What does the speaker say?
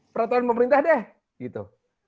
peraturan pemerintah deh gitu